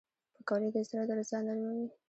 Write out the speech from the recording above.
پکورې د زړه درزا نرموي